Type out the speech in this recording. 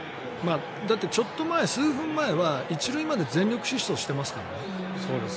だって、ちょっと前、数分前は１塁まで全力疾走してますからね。